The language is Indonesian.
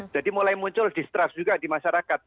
mulai muncul distrust juga di masyarakat